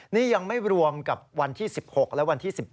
นี่ยังไม่รวมกับวันที่๑๖และวันที่๑๗